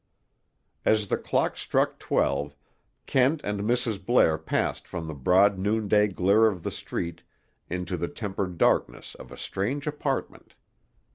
As the clock struck twelve, Kent and Mrs. Blair passed from the broad noonday glare of the street into the tempered darkness of a strange apartment.